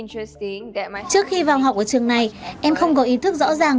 trước khi vào học ở trường này em không có ý thức rõ ràng